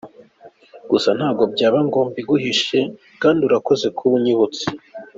Gusa ntabwo byaba ngo mbiguhishe, kandi urakoze kuba unyibutse.